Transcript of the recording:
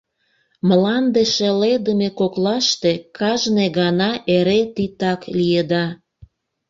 Мланде шеледыме коклаште кажне гана эре титак лиеда.